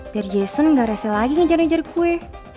biar jason gak rese lagi ngejar ngejar gue